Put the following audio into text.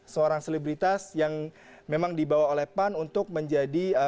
seorang selebritas yang memang dibawa oleh pan untuk menjadi